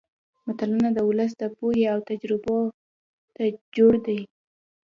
متلونه د ولس د پوهې او تجربو نچوړ دي